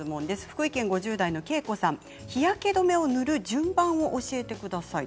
福井県５０代の方日焼け止めを塗る順番を教えてください。